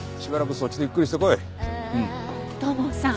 土門さん